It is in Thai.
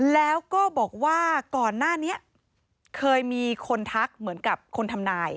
แล้วก็บอกว่าก่อนหน้านี้เคยมีคนทักเหมือนกับคนทำนาย